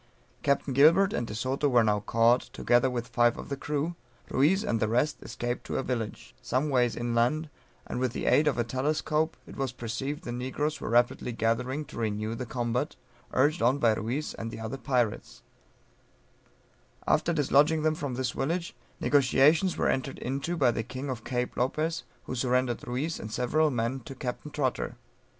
Captain Gilbert and De Soto were now caught, together with five of the crew; Ruiz and the rest escaped to a village, some ways inland, and with the aid of a telescope it was perceived the negroes were rapidly gathering to renew the combat, urged on by Ruiz and the other pirates; after dislodging them from this village, negociations were entered into by the king of Cape Lopez, who surrendered Ruiz and several men to Captain Trotter.